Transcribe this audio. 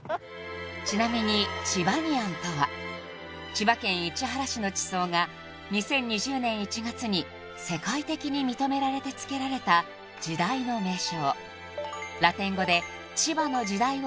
［ちなみにチバニアンとは千葉県市原市の地層が２０２０年１月に世界的に認められて付けられた時代の名称］